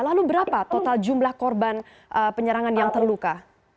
lalu berapa total jumlah korban penyerangan yang terluka